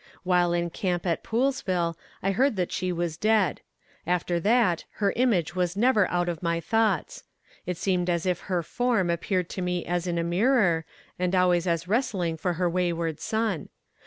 While in camp at Poolesville I heard that she was dead. After that her image was never out of my thoughts. It seemed as if her form appeared to me as in a mirror, and always as wrestling for her wayward son.